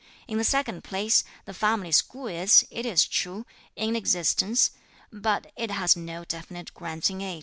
In the second place, the family school is, it is true, in existence; but it has no definite grants in aid.